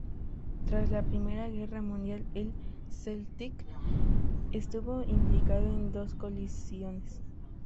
Tras la Primera Guerra Mundial, el "Celtic" estuvo implicado en dos colisiones.